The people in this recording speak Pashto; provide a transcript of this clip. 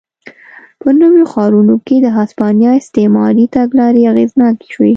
په نویو ښارونو کې د هسپانیا استعماري تګلارې اغېزناکې شوې.